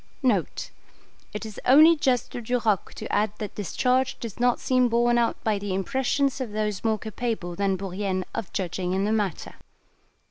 [It is only just to Duroc to add that this charge does not seem borne out by the impressions of those more capable than Bourrienne of judging in the matter.